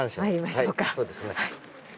はいそうですね。